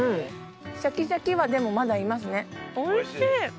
シャキシャキはでもまだいますねおいしい！